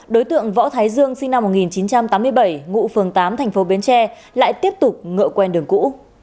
đối tượng võ thái dương sinh năm một nghìn chín trăm tám mươi bảy ngụ phường tám thành phố bến tre lại tiếp tục ngựa quen đường cũ